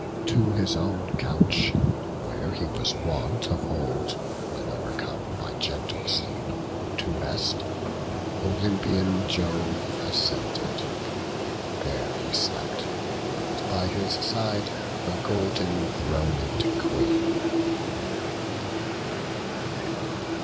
To his own couch, where he was wont of old, When overcome by gentle sleep, to rest, Olympian Jove ascended; there he slept, And, by his side, the golden throned Queen.